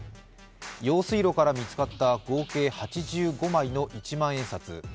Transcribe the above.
用水路から見つかった合計８５枚の一万円札。